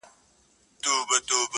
او د نني تهذیب اینې ته